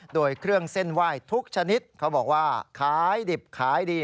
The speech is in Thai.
โดยเครื่องเส้นไหว้ทุกชนิดเขาบอกว่าขายดิบขายดี